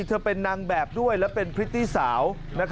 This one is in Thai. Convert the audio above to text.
เธอเป็นนางแบบด้วยและเป็นพริตตี้สาว